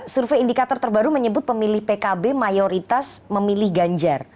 survei indikator terbaru menyebut pemilih pkb mayoritas memilih ganjar